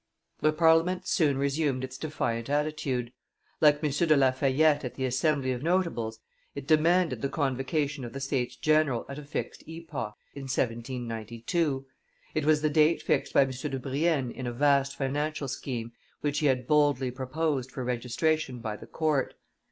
The Parliament had soon resumed its defiant attitude; like M. de La Fayette at the Assembly of notables, it demanded the convocation of the States general at a fixed epoch, in 1792; it was the date fixed by M. de Brienne in a vast financial scheme which he had boldly proposed for registration by the court.